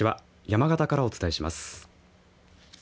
山形からお伝えします。